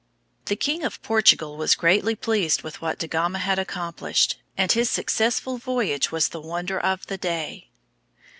The King of Portugal was greatly pleased with what Da Gama had accomplished, and his successful voyage was the wonder of the day.